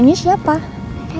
tapi kan ini bukan arah rumah